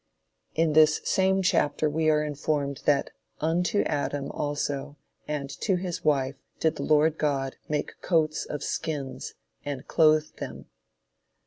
In this same chapter we are informed that "unto Adam also and to his wife did the Lord God make coats of skins and clothed them."